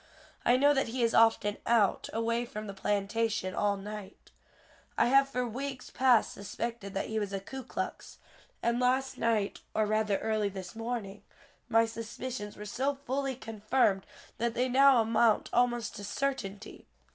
I know that he is often out, away from the plantation, all night. I have for weeks past suspected that he was a Ku Klux, and last night, or rather early this morning, my suspicions were so fully confirmed that they now amount almost to certainty.